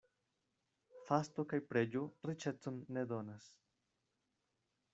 Fasto kaj preĝo riĉecon ne donas.